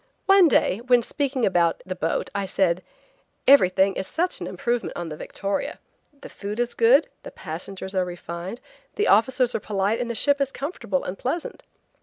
One day, when speaking about the boat, I said: "Everything is such an improvement on the Victoria. The food is good, the passengers are refined, the officers are polite and the ship is comfortable and pleasant."